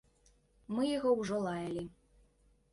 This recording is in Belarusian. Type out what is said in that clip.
Мы яго ўжо лаялі.